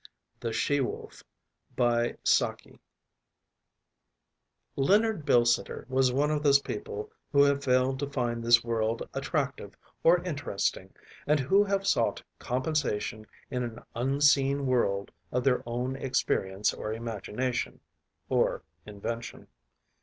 THE SHE WOLF Leonard Bilsiter was one of those people who have failed to find this world attractive or interesting, and who have sought compensation in an “unseen world‚ÄĚ of their own experience or imagination‚ÄĒor invention.